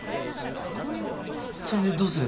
それでどうすれば？